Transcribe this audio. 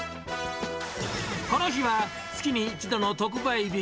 この日は月に１度の特売日。